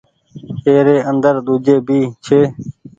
ايري اندر ۮوجھي ڀي ڇي۔